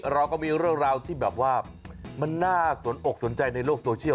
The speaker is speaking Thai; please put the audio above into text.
เราก็มีเรื่องราวที่แบบว่ามันน่าสนอกสนใจในโลกโซเชียล